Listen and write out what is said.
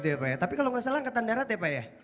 kupikku di sini